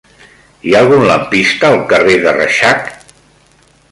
Hi ha algun lampista al carrer de Reixac?